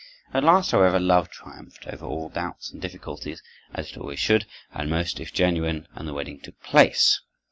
At last, however, love triumphed over all doubts and difficulties, as it always should and must if genuine, and the wedding took place.